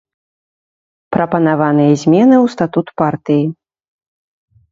Прапанаваныя змены ў статут партыі.